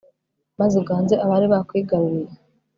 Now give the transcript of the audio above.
maze uganze abari bakwigaruriye